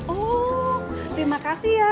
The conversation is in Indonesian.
oh terima kasih ya